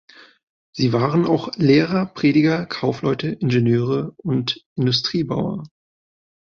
Sie waren auch Lehrer, Prediger, Kaufleute, Ingenieure und Industriebauer.